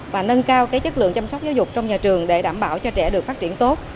và nâng cao chất lượng chăm sóc giáo dục trong nhà trường để đảm bảo cho trẻ được phát triển tốt